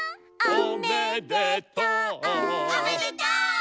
「おめでとう！」